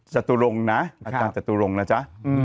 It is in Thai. จตุรงค์นะอาจารย์จตุรงค์นะจ๊ะ